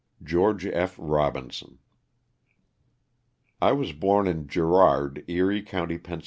GEORGE F. ROBINSON. T WAS born in Girard, Erie county, Penn.